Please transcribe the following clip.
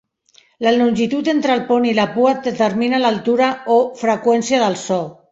La longitud entre el pont i la pua determina l'altura o freqüència del so.